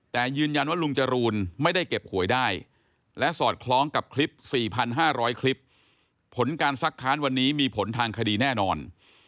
แต่ยืนยันว่าลุงจรูนไม่ได้เก็บหวยได้และสอดคล้องกับคลิป๔๕๐๐คลิปผลการซักค้านวันนี้มีผลทางคดีแน่นอน